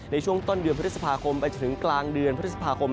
ในช่วงต้นเดือนพฤษภาคมไปจนถึงกลางเดือนพฤษภาคม